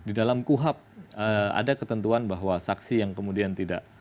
di dalam kuhap ada ketentuan bahwa saksi yang kemudian tidak